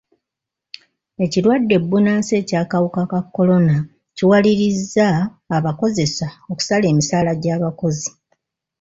Ekirwadde bbunansi eky'akawuka ka kolona kiwalirizza abakozesa okusala emisaala gy'abakozi.